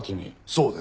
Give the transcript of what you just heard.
そうです。